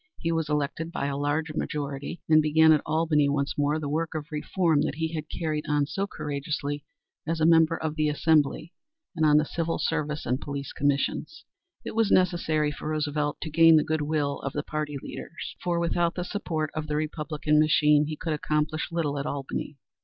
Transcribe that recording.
He was elected by a large majority, and began at Albany once more the work of reform that he had carried on so courageously as a Member of the Assembly and on the Civil Service and Police Commissions. It was necessary for Roosevelt to gain the good will of the party leaders, for without the support of the Republican machine he could accomplish little at Albany.